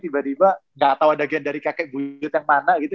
tiba tiba gak tau ada gendari kakek budut yang mana gitu